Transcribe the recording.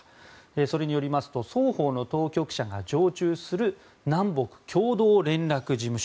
それによりますと双方の当局者が常駐する南北共同連絡事務所。